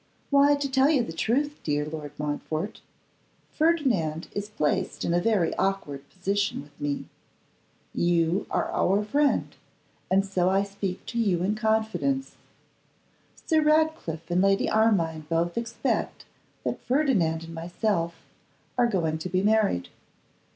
'Why, to tell you the truth, dear Lord Montfort, Ferdinand is placed in a very awkward position with me. You are our friend, and so I speak to you in confidence. Sir Ratcliffe and Lady Armine both expect that Ferdinand and myself are going to be married.